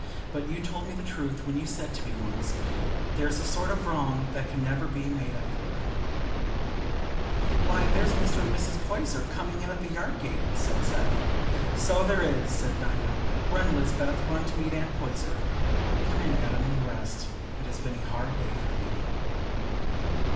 But you told me the truth when you said to me once, "There's a sort of wrong that can never be made up for."'" "Why, there's Mr. and Mrs. Poyser coming in at the yard gate," said Seth. "So there is," said Dinah. "Run, Lisbeth, run to meet Aunt Poyser. Come in, Adam, and rest; it has been a hard day for thee."